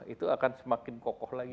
itu akan semakin kokoh lagi